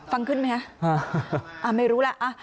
ฟังขึ้นไหมคะอ่าไม่รู้แล้วอ่า